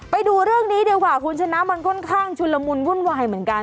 ไปดูเรื่องนี้ดีกว่าคุณชนะมันค่อนข้างชุนละมุนวุ่นวายเหมือนกัน